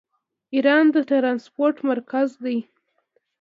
ایران د ټرانسپورټ مرکز دی.